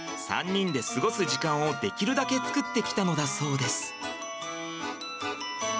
３人で過ごす時間をできるだけ作ってきたのだそうです。